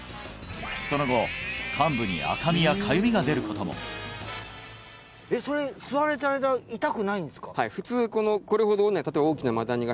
その後患部に赤みや痒みが出ることもえっそれ吸われてる間痛くないんですか？